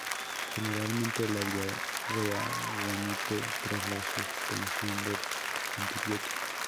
Generalmente, la diarrea remite tras la suspensión del antibiótico.